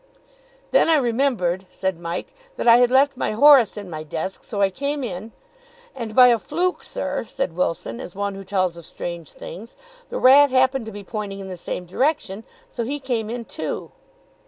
"Then I remembered," said Mike, "that I had left my Horace in my desk, so I came in " "And by a fluke, sir," said Wilson, as one who tells of strange things, "the rat happened to be pointing in the same direction, so he came in, too."